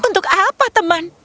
untuk apa teman